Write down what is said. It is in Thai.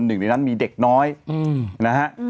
หนึ่งในนั้นมีเด็กน้อยนะฮะ